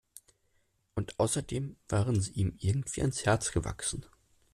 Und außerdem waren sie ihm irgendwie ans Herz gewachsen.